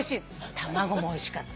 玉子もおいしかった。